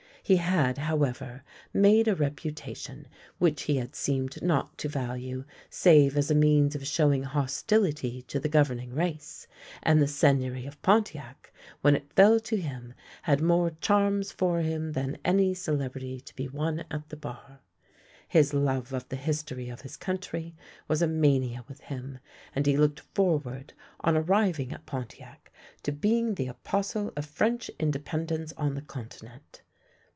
He had, however, made a reputation, which he had seemed not to value, save as a means of showing hostility to the governing race, and the Seigneury of Pontiac, when it fell to him, had more charms for him than any celebrity to be won at the bar. His love of the history of his country was a mania with him, and he looked forward, on arriving at Pontiac, to being the apostle of French independence on the Con tinent.